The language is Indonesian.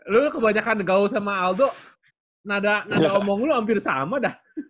lu kebanyakan gaul sama aldo nada omong lo hampir sama dah